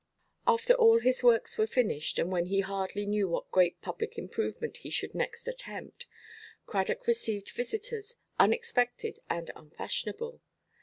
After all his works were finished, and when he hardly knew what great public improvement he should next attempt, Cradock received visitors, unexpected and unfashionable.